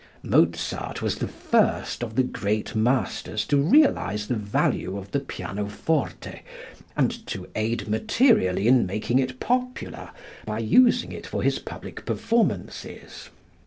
Mozart was the first of the great masters to realize the value of the pianoforte and to aid materially in making it popular by using it for his public performances.